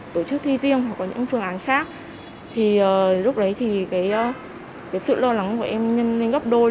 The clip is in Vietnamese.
tổ chức kỳ thi trong một ngày rưỡi với ba buổi thi